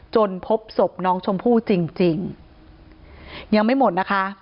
พบศพน้องชมพู่จริงจริงยังไม่หมดนะคะ